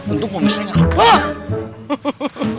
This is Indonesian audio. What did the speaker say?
untung bu ranti saya gak kebakar